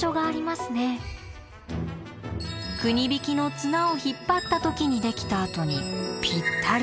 国引きの綱を引っ張った時にできた跡にぴったり。